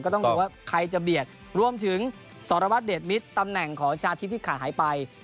ต้องดูว่าใครจะเบียดรวมถึงสรวัตรเดชมิตรตำแหน่งของชนะทิพย์ที่ขาดหายไป